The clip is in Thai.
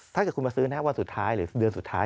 ถ้าเกิดคุณมาซื้อวันสุดท้ายหรือเดือนสุดท้าย